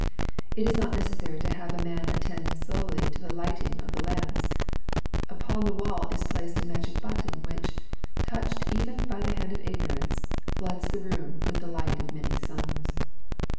It is not necessary to have a man attend solely to the lighting of the lamps. Upon the wall is placed a magic button which, touched even by the hand of ignorance, floods the room with the light of many suns.